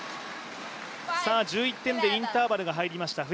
１１点でインターバルが入りました。